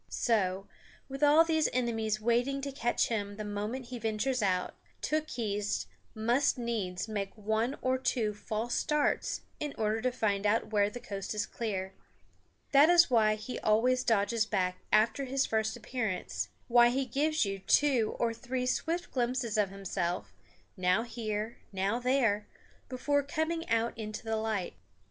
So, with all these enemies waiting to catch him the moment he ventures out, Tookhees must needs make one or two false starts in order to find out where the coast is clear. That is why he always dodges back after his first appearance; why he gives you two or three swift glimpses of himself, now here, now there, before coming out into the light.